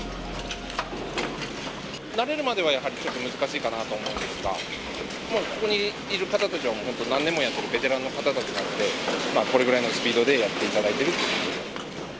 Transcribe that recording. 慣れるまではやはりちょっと難しいかなと思うんですが、ここにいる方たちは、本当、何年もやってるベテランの方たちなんで、これぐらいのスピードでやっていただいているということで。